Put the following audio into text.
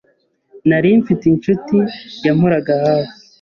” Nari mfite incuti yamporaga hafi.